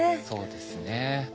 そうですね。